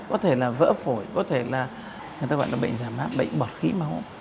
có thể là vỡ phổi có thể là người ta gọi là bệnh giảm mát bệnh bọt khí máu